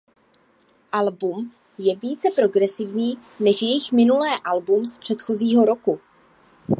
Album je více progresivní než jejich minulé album z předchozího roku.